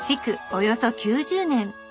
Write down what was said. およそ９０年。